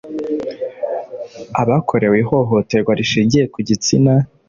abakorewe ihohoterwa rishingiye ku gitsina